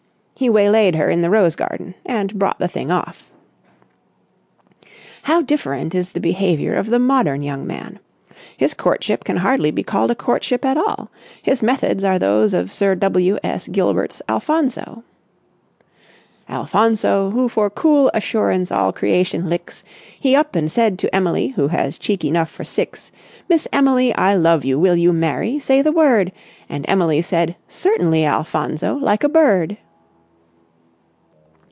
he waylaid her in the rose garden and brought the thing off. How different is the behaviour of the modern young man. His courtship can hardly be called a courtship at all. His methods are those of Sir W. S. Gilbert's Alphonso. "Alphonso, who for cool assurance all creation licks, He up and said to Emily who has cheek enough for six: 'Miss Emily, I love you. Will you marry? Say the word!' And Emily said: 'Certainly, Alphonso, like a bird!